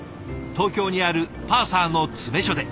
東京にあるパーサーの詰め所で。